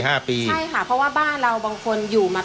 คราบขี่ไทธิ์ถ้าเพราะว่าบ้านเราบางคนอยู่มา